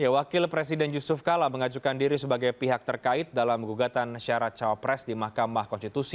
wakil presiden yusuf kala mengajukan diri sebagai pihak terkait dalam gugatan syarat cawapres di mahkamah konstitusi